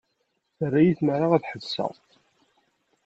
Terra-iyi tmara ad ḥebseɣ.